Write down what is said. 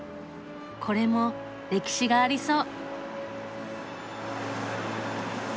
これも歴史がありそう。